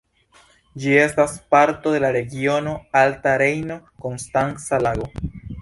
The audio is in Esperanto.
Ĝi estas parto de la regiono Alta Rejno-Konstanca Lago.